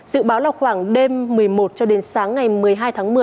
dự báo là khoảng đêm một mươi một cho đến sáng ngày một mươi hai tháng một mươi